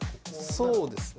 そうですね。